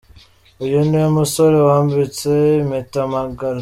Uyu niwe musore wambitse impeta Magaly.